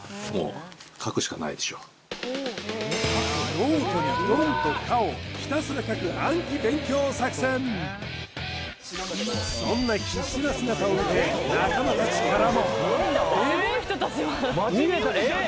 ノートにドンとカッをひたすら書く暗記勉強作戦そんな必死な姿を見て仲間達からもええっ！？